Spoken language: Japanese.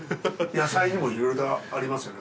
野菜にもいろいろとありますよね。